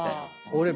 俺も。